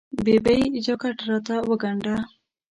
ببۍ! جاکټ راته وګنډه.